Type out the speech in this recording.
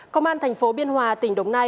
công an thành phố biên hòa tỉnh đồng nai